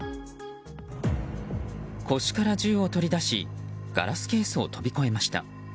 腰から銃を取り出しガラスケースを飛び越えました。